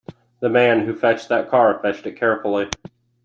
The man who fetched that car fetched it carefully.